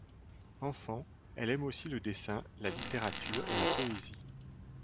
Enfant, elle aime aussi le dessin, la littérature et la poésie.